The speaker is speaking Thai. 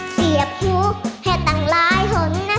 เสียบหูให้ต่างรายห่วงนะ